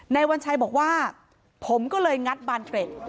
วัญชัยบอกว่าผมก็เลยงัดบานเทรด